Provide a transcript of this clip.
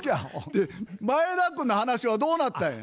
で前田君の話はどうなったんや？